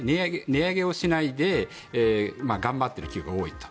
値上げをしないで頑張っている企業が多いと。